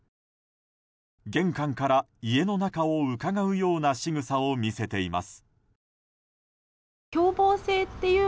玄関から家の中をうかがうようなしぐさを見せています。